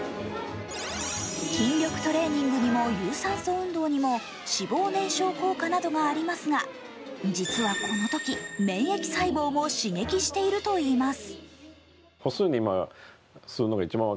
筋力トレーニングにも有酸素運動にも脂肪燃焼効果などがありますが、実はこのとき免疫細胞も刺激しているといいます。